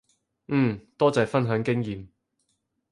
嗯，多謝分享經驗